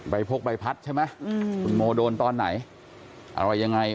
พกใบพัดใช่ไหมคุณโมโดนตอนไหนอะไรยังไง